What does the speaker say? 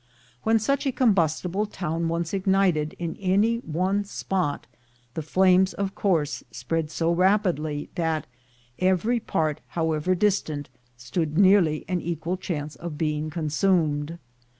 When such a combustible town once ignited in any one spot, the flames, of course, spread so rapidly that every part, however distant, stood nearly an equal chance of being consumed.